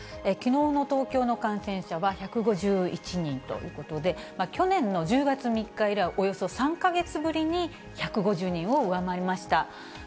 きのうの東京の感染者は１５１人ということで、去年の１０月３日以来、およそ３か月ぶりに１５０人を上回りました。